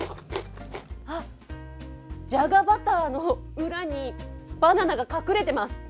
じゃがバターの裏にバナナが隠れてます。